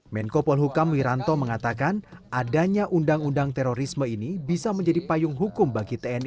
menko polhukam wiranto mengatakan adanya undang undang terorisme ini bisa menjadi payung hukum bagi tni